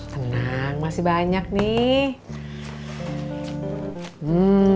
tenang masih banyak nih